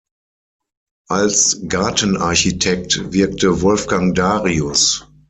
Als Gartenarchitekt wirkte Wolfgang Darius.